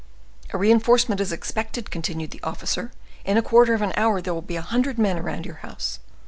"A reinforcement is expected," continued the officer; "in a quarter of an hour there will be a hundred men around your house."